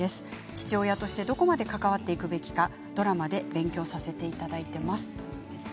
父親としてどこまで関わっていくべきかドラマで勉強させていただいています。